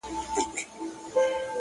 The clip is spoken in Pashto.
د يوسفي ښکلا چيرمنې نوره مه راگوره،